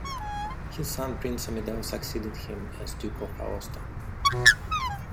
His son Prince Amedeo succeeded him as Duke of Aosta.